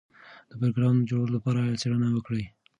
د پروګرام جوړولو لپاره څېړنه وکړئ.